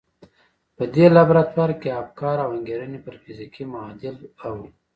په دې لابراتوار کې افکار او انګېرنې پر فزيکي معادل اوړي.